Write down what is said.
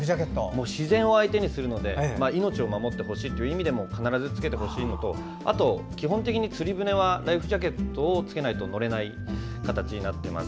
自然を相手にするので命を守ってほしいという意味でも必ず着けてほしいのとあと、基本的に釣り船はライフジャケットを着けないと乗れない形になっています。